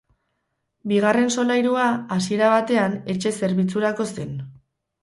Bigarren solairua, hasiera batean, etxe-zerbitzurako zen.